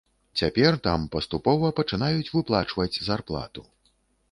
Цяпер там паступова пачынаюць выплачваць зарплату.